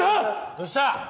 どうした？